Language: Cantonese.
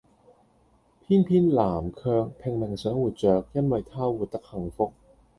偏偏南卻拼命想活著，因為她活得幸福